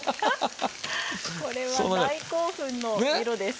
これは大興奮の色です。